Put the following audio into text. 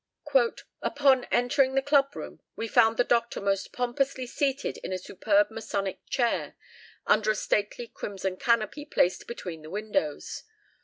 "Upon entering the club room, we found the Doctor most pompously seated in a superb masonic chair, under a stately crimson canopy placed between the windows.